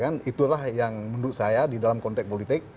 kan itulah yang menurut saya di dalam konteks politik